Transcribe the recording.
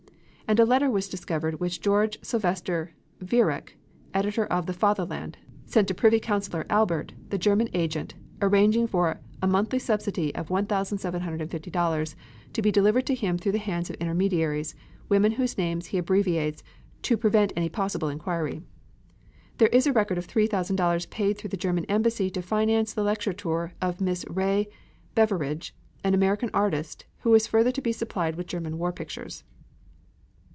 And a letter was discovered which George Sylvester Viereck, editor of the Fatherland, sent to Privy Councilor Albert, the German agent, arranging for a monthly subsidy of $1,750, to be delivered to him through the hands of intermediaries women whose names he abbreviates "to prevent any possible inquiry." There is a record of $3,000 paid through the German embassy to finance the lecture tour of Miss Ray Beveridge, an American artist, who was further to be supplied with German war pictures.